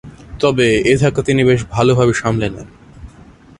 তবে, এ ধাক্কা তিনি বেশ ভালোভাবে সামলে নেন।